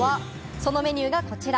そのメニューがこちら。